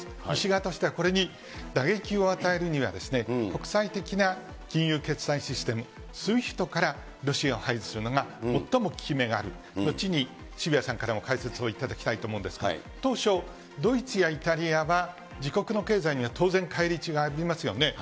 西側としてはこれに打撃を与えるには、国際的な金融決済システム、ＳＷＩＦＴからロシアを排除するのが最も効き目がある、後に、渋谷さんからも解説をいただきたいと思うんですけれども、当初、ドイツやイタリアは自国の経済には当然、対立がありますよね。